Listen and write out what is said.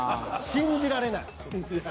信じられない。